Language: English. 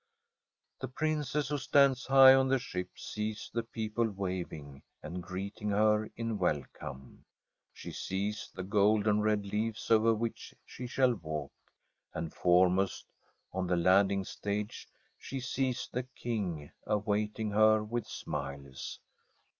The Princess, who stands high on the ship, sees the people waving and greeting her in wel come. She sees the golden red leaves over which she shall walk, and foremost on the landing stage she sees the King awaiting her with smiles.